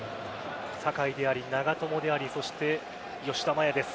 酒井であり、長友でありそして吉田麻也です。